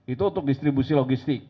itu untuk distribusi logistik